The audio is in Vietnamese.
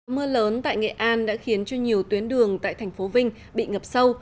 mưa lớn tại nghệ an đã khiến cho nhiều tuyến đường tại thành phố vinh bị ngập sâu